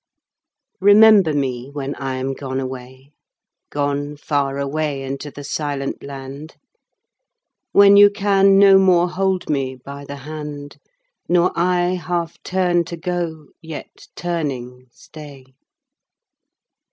Remember me when I am gone away, Gone far away into the silent land; When you can no more hold me by the hand, Nor I half turn to go yet turning stay.